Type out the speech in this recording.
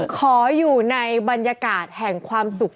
ขออยู่ในบรรยากาศแห่งความสุข